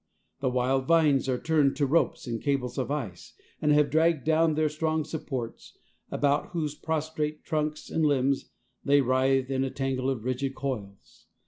The wild vines are turned to ropes and cables of ice, and have dragged down their strong supports, about whose prostrate trunks and limbs they writhe in a tangle of rigid coils.